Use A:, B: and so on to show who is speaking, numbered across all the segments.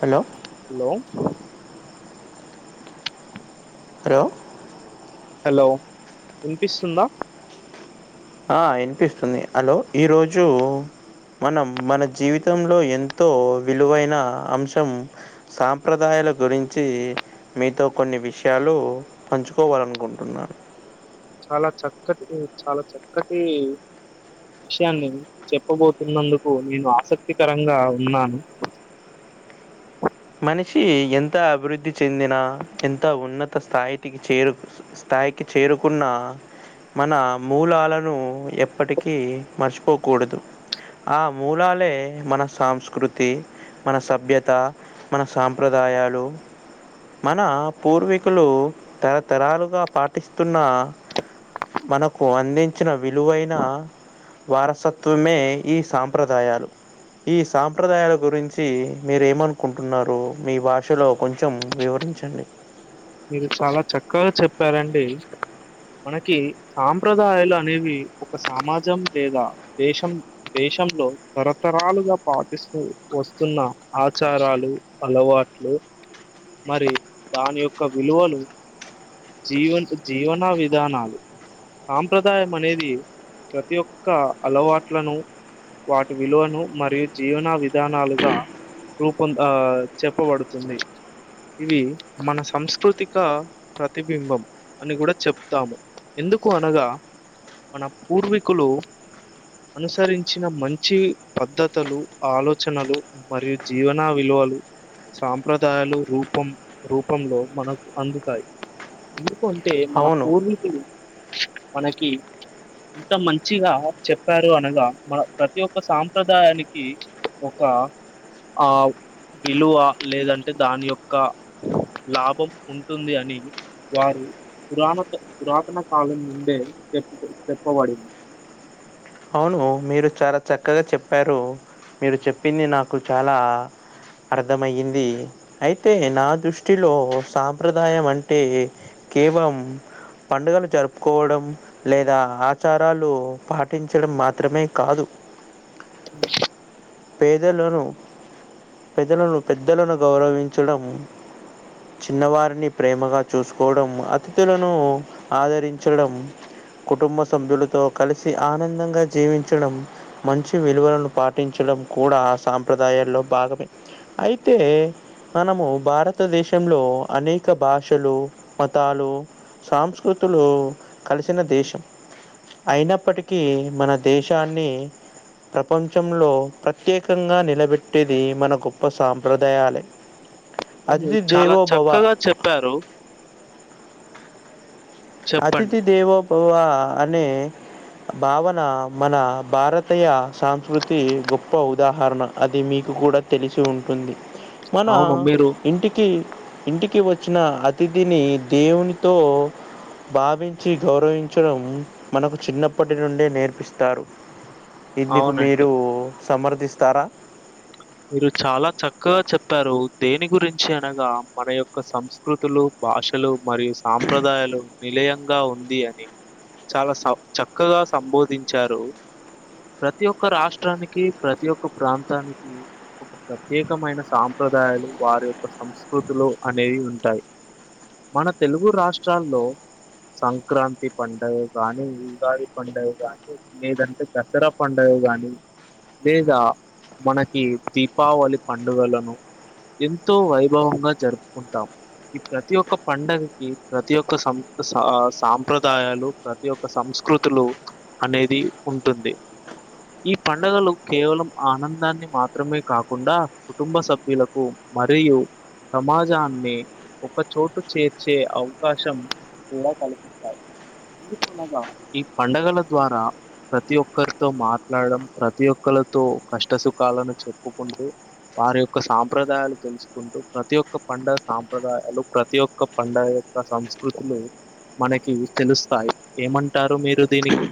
A: Hello
B: hello
A: త్రో
B: hello వినిపిస్తుందా
A: ఆ ఇనిపిస్తుంది అలో ఈరోజు మనం మన జీవితంలో ఎంతో విలువైన అంశం సాంప్రదాయ గురించి మీతో కొన్ని విషయాలు పంచుకోవాలనుకుంటున్నాను
B: చాలా చక్కటి చాలా చక్కటి విషయాన్ని చెప్పబోతున్నందుకు నేను ఆసక్తికరంగా ఉన్నాను
A: [inaudible] మనిషి ఎంత అభివృద్ధి చెందిన ఎంత ఉన్నత స్థాయితికి చేరు స్థాయికి చేరుకున్న మన మూలాలను ఎప్పటికీ మర్చిపోకూడదు ఆ మూలాలే మన సంస్కృతి మన సభ్యత మన సాంప్రదాయాలు మన పూర్వీకులు తరతరాలుగా పాటిస్తున్న మనకు అందించిన విలువైన వారసత్వమే ఈ సాంప్రదాయాలు ఈ సాంప్రదాయాల గురించి మీరు ఏమను కుంటున్నారు మీ భాషలో కొంచెం వివరించండి
B: మీరు చాలా చక్కగా చెప్పారండి మనకి సాంప్రదాయాలు అనేవి ఒక సమాజం లేదా దేశం డేస్ తంలో తరతరాలుగా పాటిస్తూ వస్తున్న ఆచారాలు అలవాట్లు మరి దాని యొక్క విలువలు జీవంత్ జీవన విధానాలు సాంప్రదాయం అనేది ప్రతి ఒక్క అలవాట్లను వాటి విలువను మరియు జీవన విధానాలుగా రూపం దా ఆ చెప్పబడుతుంది ఇవి మన సంంస్కృతిక ప్రతిబింబం అని కూడా చెప్తాము ఎందుకు అనగా మన పూర్వీకులు అనుసరించిన మంచి పద్ధతులు ఆలోచనలు మరియు జీవనా విలువ పలు సాంప్రదాయాలు రూపం రూపంలో మనకు అందుతాయి ఎందుకంటే మన
A: అవును
B: పూర్ణీకులు మనకి ఇంత మంచిగా చెప్పారు అనగా మన ప్రతి ఒక్క సాంప్రదాయానికి ఒక ఆ అవ్ విలువ లేదంటే దాని యొక్క లాభం ఉంటుంది అని వారు పురాణ పురాతన కాలం నుండే చెప్ చెప్పబడింది
A: అవును మీరు చాలా చక్కగా చెప్పారు మీరు చెప్పింది నాకు చాలా అర్థమయ్యింది అయితే నా దృష్టిలో సాంప్రదాయం అంటే కేవలం పండుగలు జరుపుకోవడం లేదా ఆచారాలు పా టించడం మాత్రమే కాదు పేదలను పెద్లను పెద్దలను గౌరవించడం చిన్నవారిని ప్రేమగా చూసుకోవడం అతిథులను ఆదరించడం కుటుంబ సభ్యులతో కలిసి ఆనందంగా జీవించడం మంచి విలువలను పాటించడం కూడా సాంప్రదాయాల్లో భాగమే అయితే మనము భారతదేశంలో అనేక భాషలు మతాలు సాంస్కృ క్తులు కలిసిన దేశం అయినప్పటికీ మన దేశాన్ని ప్రపంచంలో ప్ర టేకన్నా నిలబెట్టేది మన గొప్ప సాంప్రదాయాలే
B: అవును
A: అతిథి
B: చాలా
A: దేవో భవ
B: చక్కగా చెప్పారు
A: అతిథి
B: చెప్పండి
A: దేవో బావ అనే భావన మన భారతీయ సంస్కృతి గొప్ప ఉదాహరణ అది మీ టు కూడా తెలిసి ఉంటుంది మన
B: అవును మీరు
A: ఇంటికి ఇంటికి వచ్చిన అతిథిని దేవునితో భావించి గౌరవించడం మనకు చిన్నప్పటి నుండే నేర్పిస్తారు ఇందుకు
B: అవునండి
A: మీరు సమర్థిస్తారా
B: మీరు చాలా చక్కగా చెప్పారు దేని గురించి అనగా మన యొక్క సంస్కృతులు భాషలు మరియు సాంప్రదాయాలు నిలయంగా ఉంది అని చాలా చక్కగా సంబోధించారు ప్రతి ఒక్క రాష్ట్రానికి ప్రతి ఒక్క ప్రాంతానికి ప్రత్యేకమైన సాంప్రదాయాలు వారి యొక్క సంస్కృతులు అనేవి ఉంటాయి మన తెలుగు రాష్ట్రాల్లో సంక్రాంతి పండుగ గానీ ఉగాది పండుగ కానీ లేదంటే దసరా పండుగ గాని లేదా మనకి దీపావళి పండుగలను ఎంతో వైభవంగా జరుపుకుంటాం ఈ ప్రతి ఒక్క పండగకి ప్రతి ఒక్క సం సా సాంప్రదాయాలు ప్రతి ఒక్క సం సంస్కృతులు అనేది ఉంటుంది ఈ పడుగలు కేవలం ఆనందాన్ని మాత్రం మాత్రమే కాకుండా కుటుంబ సభ్యులకు మరియు సమాజాన్ని ఒక చోటు చేర్చే అవకాశం కూడా కల్పిస్తాయి ఎందుకునగా ఈ పండగల ద్వారా ప్రతి ఒక్కరితో మాట్లాడడం ప్రతి ఒక్కళ్ళతో కష్ట సుఖాలను చెప్పుకుంటు వారి యొక్క సాంప్రదాయాలు తెలుసుకుంటు ప్రతి ఒక్క పండగ సాంప్రదాయాలు ప్రతి ఒక్క పండగ యొక్క సంస్కృతులు మనకి తెలుస్తాయి ఏమంటారు మీరు దీనికి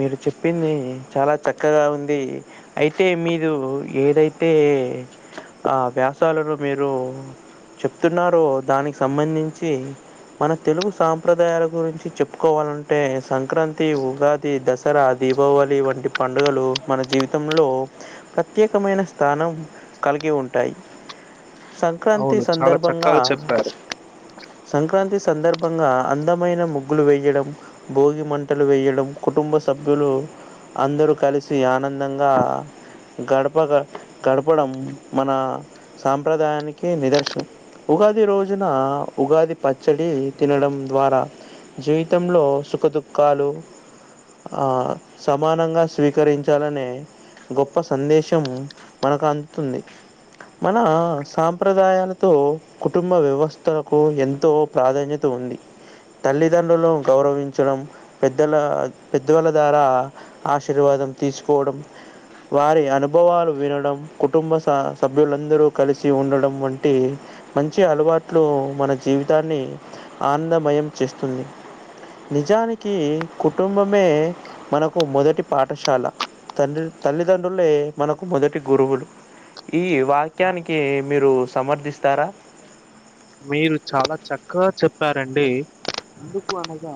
A: మీరు చెప్పింది చాలా చక్కగా ఉంది అయితే మీరు ఏదైతే ఆ వ్యాసాలను మీరు చెప్తున్నారో దానికి సంబంధించి మన తెలుగు సాంప్రదాయాల గురించి చెప్పుకోవాలంటే సంక్రాంతి ఉగాది దసరా దీపావళి వంటి పండుగలు మన జీవితంలో ప్రత్యేకమైన స్థాన నం కలిగి ఉంటాయి సంక్రాంతి
B: అవును చాలా
A: సందర్భంగా
B: చక్కగా చెప్పారు.
A: సంక్రాంతి సందర్భంగా అందం మైన ముగ్గులు వేయడం భోగి మంటలు వేయడం కుటుంబ సభ్యులు అందరూ కలిసి ఆనందంగా గడప గ గడపడం మన సాంప్రదాయానికి నిదర్శనం ఉగాది రోజున ఉగాది పచ్చడి తినడం ద్వారా జీవితంలో సుఖ దుఃఖాలు ఆ సమానంగా స్వీకరించాలని గొప్ప సందేశం మనకు అందుతుంది మన సాంప్రదాయాలతో కుటుంబ వ్యవస్థలకు ఎంతో ప్రాధాన్యత ఉంది ఉంది తల్లిదండ్రులు గౌరవించడం పెద్దల పెద్దవాళ్ల ద్వారా ఆశీర్వాదం తీసుకోవడం వారి అనుభవాలు వినడం కుటుంబ స సభ్యులందరూ కలిసి ఉండడం వంటి మంచి అలవాట్లు మన జీవితాన్ని ఆనందమయం చేస్తుంది నిజానికి కుటుంబమే మనకు మొదటి పాఠశాల తండ్రి తల్లిదండ్రులే మనకు మొదటి గురువులు ఈ వాక్యానికి మీరు సమర్థిస్తారా
B: మీరు చాలా చక్కగా చెప్పారండి ఎందుకు అనగా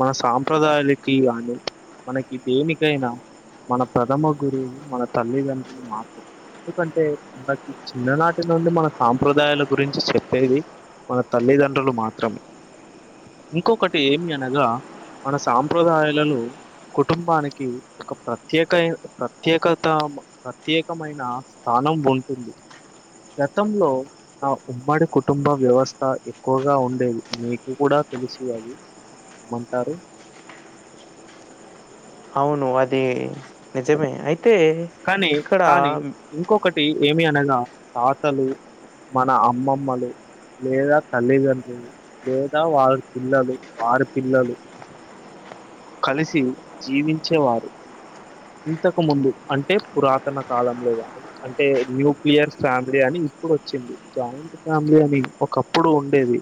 B: మన సాంప్రదాయాలకి కాను మనకి దేనికైనా మన ప్రథమ గురువు మన తల్లిదండ్రులు మాత్రం ఎందుకంటే మనకి చిన్ననాటి నుండి మన సాంప్రదాయాల గురించి చె అది మన తల్లిదండ్రులు మాత్రమే ఇంకొకటి ఏమి అనగా మన సాంప్రదాయాలలో కుటుంబానికి ఒక ప్రత్యేక ప్రత్యేకత ప్రత్యేకమైన సా మనం ఉంటుంది గతంలో ఆ ఉమ్మడి కుటుంబ వ్యవస్థ ఎక్కువగా ఉండేది నీకు గూడా తెలుసు అది ఏమంటారు
A: అవును అది నిజమే అయితే
B: కానీ
A: ఇక్కడ
B: కానీ ఇంకొకటి ఏమి అనగా తాతలు మన అమ్మమ్మలు లేదా తల్లిదండ్రులు లేదా వారి పిల్లలు వారి పిల్లలు కలిసి జీవించేవారు ఇంతకు ముందు అంటే పురాతన కాలంలో గానీ అంటే న్యూక్లియర్ ఫ్యామిలీ అని ఇప్పుడు వచ్చింది జాయింట్ ఫ్యామిలీ అని ఒకప్పుడు ఉండేది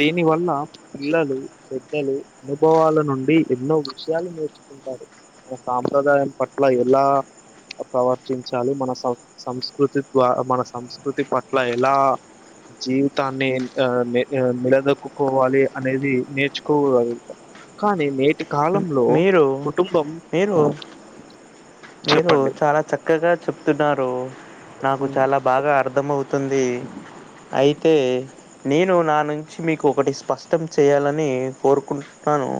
B: దీని వల్ల పిల్లలు పెద్దలు అనుభవాల నుండి ఎన్నో విషయాలు నేర్చుకుంటారు మన సాంప్రదాయం పట్ల ఎలా ప్రవర్తించాలి మన సం సంస్కృతి ద్వ మన సంస్కృతి పట్ల ఎలా జీవితాన్ని ఎంత ఆ నిలదొక్కోవాలి అనేది నేర్చుకోగలుగుతాం కానీ నే
A: మీరు మీరు మీరు
B: చెప్పండి
A: చాలా చక్కగా చెప్తున్నారు నాకు
B: ఉమ్,
A: చాలా బాగా అర్థ అర్థం అవుతుంది అయితే నేను నా నుంచి మీకు ఒకటి స్పష్టం చేయాలని కోరుకుం టాను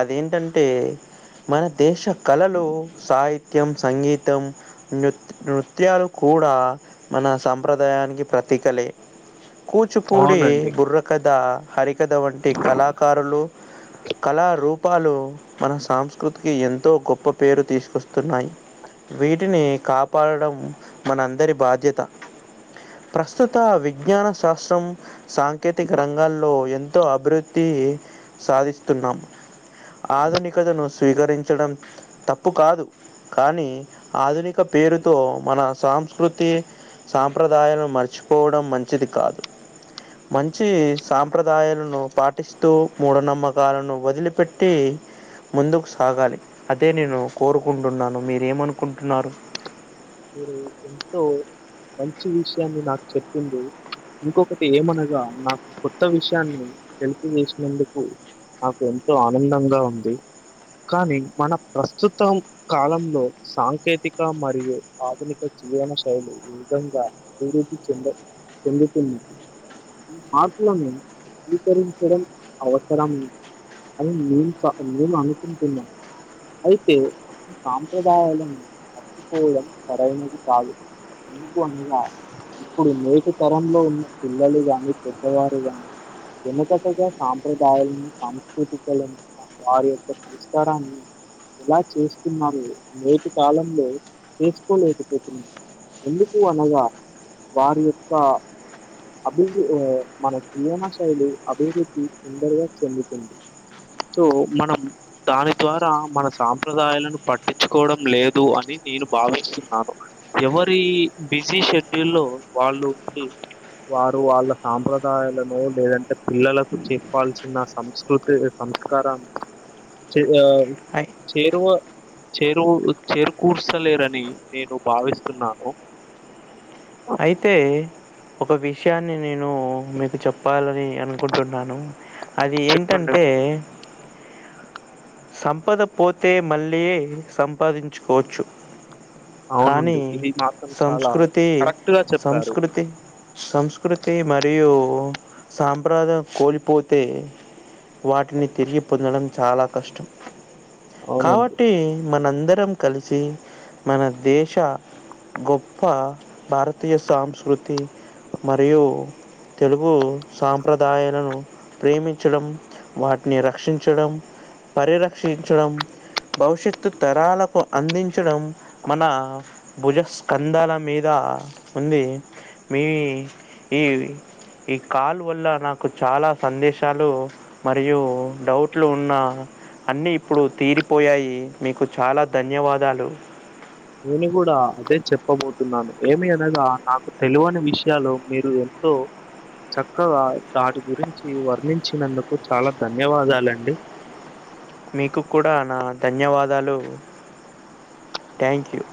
A: అదేంటంటే మన దేశ కళలు సాహి త్యం సంగీతం నుత్ నృత్యాలు కూడా మన సంంప్రదాయానికి ప్ర తీకలే కూచుపూడి
B: అవునండి
A: బుర్రకథ హరి కథ వంటి కళాకారులు కళారూ పాలు మన సాంస్కృతికి ఎంతో గొప్ప పేరు తీసుకొ స్తున్నాయి వీటిని కాపాడడం మనందరి బాధ్యత ప్రస్తుత విజ్ఞాన శాస్త్రం సాంకేతిక రంగాల్లో ఎం తో అభివృద్ధి సాధిస్తున్నాం ఆధునికతను స్వీకరించడం తప్పు కాదు కానీ ఆధునిక పేరుతో మన సాంస్కృతి సాంప్రదాయాలు మర్చిపోవడం మంచిది కాదు మంచి సాంప్రదాయాలను పాటిస్తూ మూఢనమ్మకాలను వదిలిపెట్టి ముందుకు సాగాలి అదే నేను కోరుకుంటున్నాను మీరేమనుకుంటున్నారు
B: మీరు ఎంతో మంచి విషయాన్ని నాకు చెప్పింది ఇంకొకటి ఏమనగా నాకు కొత్త విషయాన్ని తెలిపిజేసినందుకు నాకు ఎంతో ఆనందంగా ఉంది కానీ మన ప్రస్తుతం కాలంలో సాంకేతిక మరియు ఆధునిక జీవన శైలి ఈ విధంగా అభివృద్ధి చెంద చెందుతుంది ఈ మార్పులను స్వీకరించడం అవసరం అని నేను చ నేను అనుకుంటున్నా అయితే సాంప్రదాయాలను మర్చిపోవడం సరైనది కాదు ఎందుకు అన్నగా ఇప్పుడు నేటి తరంలో ఉన్న పిల్లలు గాని పెద్దవారు గాని వెనుకటగా సాంప్రదాయాలను సాంస్కృతికలను వారి యొక్క సంస్కారాన్ని ఎలా చేస్తున్నాము నైటి కాలంలో చే కోలేకపోతున్నా ఎందుకు అనగా వారి యొక్క అభి ఆ మన జీవన శైలి అభివృద్ధి తొందరగా చెందుతుంది సో మనం దాని ద్వారా మన సాంప్రదాయాలను పట్టించుకోవడం లేదు అని నేను భావిస్తున్నాను ఎవరి బిజీ షెడ్యూల్ లో వాళ్ళు వారు వాళ్ళ సాంప్రదాయాలను లేదంటే పిల్లలకు చెప్పాల్సిన సంస్కృతి స్కా రాంమ్
A: ఐ
B: చేరువ చేరువు చేరుకూర్స్తలేర అని నేను భావిస్తున్నాను
A: అయితే ఒక విషయాన్ని నేను మీకు చెప్పాల అని అనుకుంటు ఉన్నాను అది ఏంట
B: చెప్పండి
A: అంటే సంపద పోతే మళ్ళి సంపాదించుకోవచ్చు
B: అవును
A: కానీ
B: అండి ఇవి మాత్రం చాలా
A: సంస్కృతి
B: కరెక్ట్గా చెప్పారు
A: సంస్కృతి సంస్కృతి మరియు సాంప్రదాయం కోలిపోతే వాటిని తిరిగి పొందడం చాలా కష్టం
B: అవునండి
A: కాబట్టి మన అందరం కలిసి మన దేశ గొప్ప భారత్ తీయ సంస్కృతి మరియు తెలుగు సాంప్రదాయాలను ప్రేమించడం వాటిని రక్షించడం పరిరక్షించడం మ్ భవిష్యత్తు తరాలకు అందించడం మన భుజస్కందాల మీద ఉంది మీ ఈ ఈ కాల్ వల్ల నాకు చాలా సందేశాలు మరియు డౌట్లు ఉన్న అన్నీ ఇప్పుడు తీరిపోయాయి మీకు చాలా ధన్యవాదాలు
B: నేను కూడా అదే చెప్ ప్పబోతు ఉన్నాను ఏమి అనగా నాకు తెలువని విషయాలు మీరు ఎంతో చక్కగా దాటి గురించి వర్ణించినందుకు చాలా ధన్యవాదాల అండి
A: మీకు కూడా నా ధన్యవాదాలు ట్యాంక్యూ యూ